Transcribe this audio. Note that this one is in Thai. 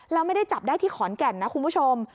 แล้วไม่ได้จับได้ที่ขอนแก่นนะคุณผู้ชม